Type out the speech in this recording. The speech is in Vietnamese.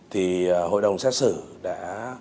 thì hội đồng xét xử đã